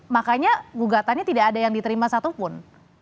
makanya gugatannya tidak ada yang diterima satupun